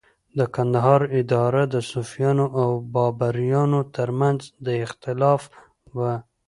د کندهار اداره د صفویانو او بابریانو تر منځ د اختلاف وه.